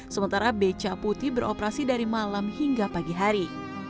sementara beca putih beroperasi dari malam hingga pagi hari